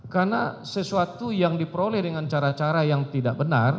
karena sesuatu yang diperoleh dengan cara cara yang tidak benar